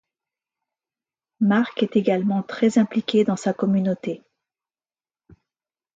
Marc est également très impliqué dans sa communauté.